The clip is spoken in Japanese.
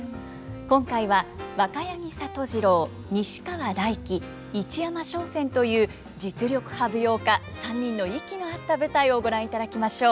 今回は若柳里次朗西川大樹市山松扇という実力派舞踊家３人の息の合った舞台をご覧いただきましょう。